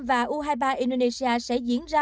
và u hai mươi ba indonesia sẽ diễn ra